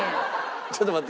ちょっと待って。